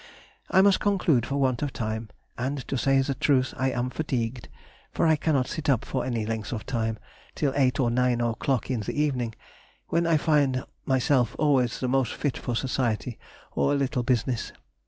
I must conclude for want of time; and, to say the truth, I am fatigued, for I cannot sit up for any length of time, till eight or nine o'clock in the evening, when I find myself always the most fit for society, or a little business.